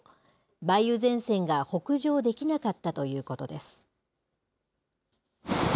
梅雨前線が北上できなかったということです。